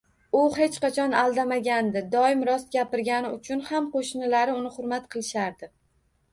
U hech qachon aldamagandi; doimo rost gapirgani uchun ham qo`shnilari uni hurmat qilishardi